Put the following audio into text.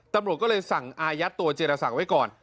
ตำรวจก็เลยสั่งอายัดตัวเจรศักดิ์ไว้ก่อน